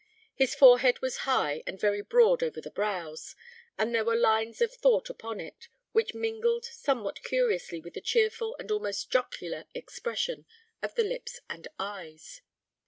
His forehead was high, and very broad over the brows, and there were lines of thought upon it which mingled somewhat curiously with the cheerful and almost jocular expression of the lips and eyes.